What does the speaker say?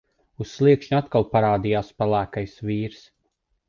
Uz sliekšņa atkal parādījās pelēkais vīrs.